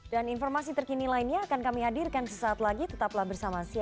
salam sebenarnya blade